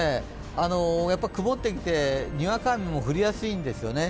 やっぱ曇ってきて、にわか雨も降りやすいんですよね。